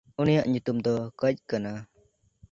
ᱩᱱᱤᱭᱟᱜ ᱧᱩᱛᱩᱢ ᱫᱚ ᱠᱟᱡ ᱠᱟᱱᱟ᱾